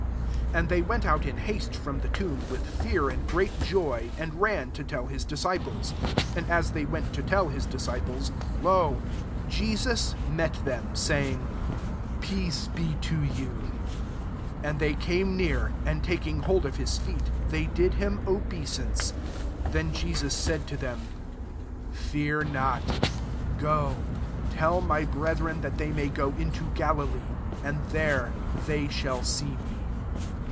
8 And they went out in haste from the tomb with fear and great joy ; and ran to tell his disciples. 9 And [a8 they went to tell his discifilet]^ lo ! Jesus met them, saying, " Peace be to you.'! And they came near, and taking hold of his feet, they did him obeisance. 10 Then Jesus said to them, *< Fear not: go, tell my brethren that they may go into Galilee ; and there they shall see me."